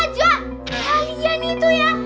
jangan itu ya